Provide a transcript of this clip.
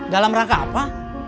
dalam rangka apa